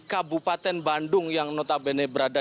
kabupaten bandung yang notabene berada